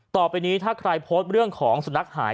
ต่อไปนี้ถ้าใครโพสต์เรื่องของสุนัขหาย